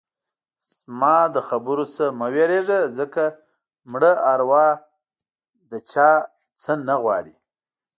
زما له خبرو نه مه وېرېږه ځکه مړه اروا له چا څه نه غواړي.